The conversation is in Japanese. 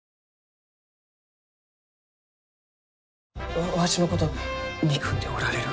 わわしのこと憎んでおられるがですか？